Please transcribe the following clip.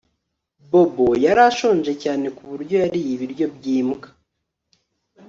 Bobo yari ashonje cyane ku buryo yariye ibiryo byimbwa